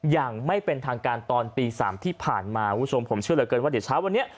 อย่างไม่เป็นทางการตอนตี๓ที่ผ่านมาคุณผู้ชมผมเชื่อเหลือเกินว่าเดี๋ยวเช้าวันนี้